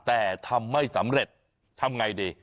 แต่ทำไม่สำเร็จทำไงดี